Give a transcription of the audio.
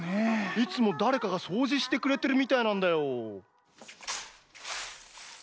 いつもだれかがそうじしてくれてるみたいなんだよ。